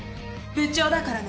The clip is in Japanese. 部長だからね。